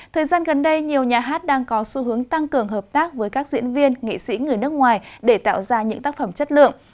thời gian gần đây nhiều nhà hát đang có xu hướng tăng cường hợp tác với các diễn viên nghị sĩ người nước ngoài để tạo ra những tác phẩm chất lượng